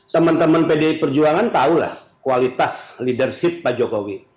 teman teman pdi perjuangan tahulah kualitas leadership pak jokowi